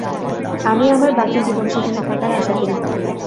আমি আমার বাকি জীবন সেখানে থাকার আশা করি।